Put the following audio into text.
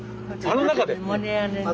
あの中で？